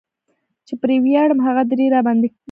چې پرې وياړم هغه درې را باندي ګران دي